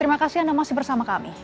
terima kasih anda masih bersama kami